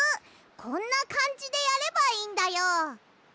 こんなかんじでやればいいんだよ。